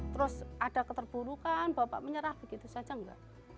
terus ada keterburukan bapak menyerah begitu saja enggak